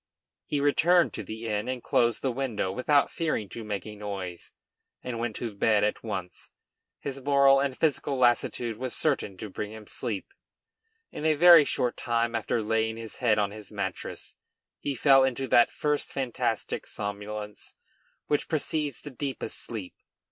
He returned to the inn and closed the window without fearing to make a noise, and went to bed at once. His moral and physical lassitude was certain to bring him sleep. In a very short time after laying his head on his mattress, he fell into that first fantastic somnolence which precedes the deepest sleep.